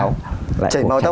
trẻ máu trẻ máu